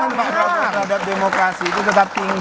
komitmen pak prabowo terhadap demokrasi itu tetap tinggi